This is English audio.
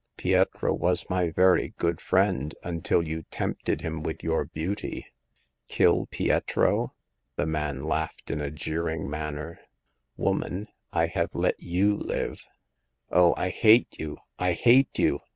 Pietro was my very good friend until you tempted him with your beauty. Kill Pietro !"— the man laughed in a jeering manner —woman, I have let you live." Oh, I hate you ! I hate you